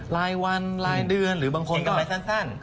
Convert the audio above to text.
แล้วยภาพรวมของทางการตามราว